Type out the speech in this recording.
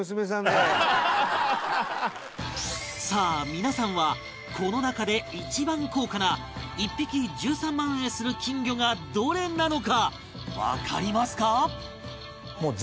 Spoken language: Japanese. さあ皆さんはこの中で一番高価な１匹１３万円する金魚がどれなのかわかりますか？